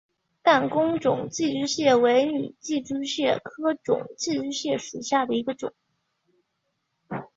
弹弓肿寄居蟹为拟寄居蟹科肿寄居蟹属下的一个种。